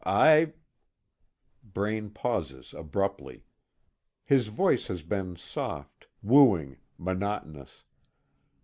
I " Braine pauses abruptly. His voice has been soft, wooing, monotonous.